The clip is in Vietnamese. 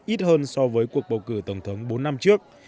ít hơn so với cuộc bầu cử tổng thống bốn năm trước